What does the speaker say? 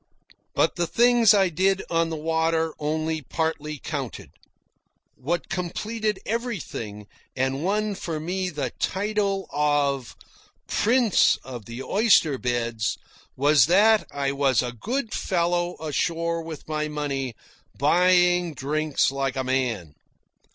But the things I did on the water only partly counted. What completed everything, and won for me the title of "Prince of the Oyster Beds," was that I was a good fellow ashore with my money, buying drinks like a man.